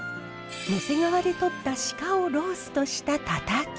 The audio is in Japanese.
野迫川でとったシカをローストしたたたき。